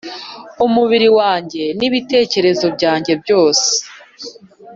umubiri wanjye, n’ibitekerezo byanjye byose